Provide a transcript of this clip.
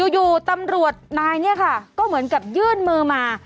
อยู่ตำรวจนายเนี่ยค่ะก็เหมือนกับยื่นมือมา